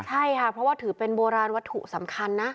ใช่ค่ะเพราะว่าถือเป็นโบราณวัตถุสำคัญนะ